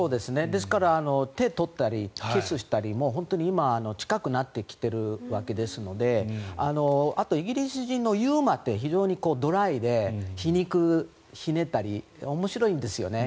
ですから手を取ったりキスをしたりもう本当に今、近くなってきているわけですのであと、イギリス人のユーモアって非常にドライで皮肉、ひねったり面白いんですよね。